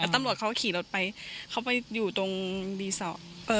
แล้วตำรวจเขาขี่รถไปเขาไปอยู่ตรงดีสองเออ